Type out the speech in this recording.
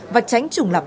và tránh trùng lập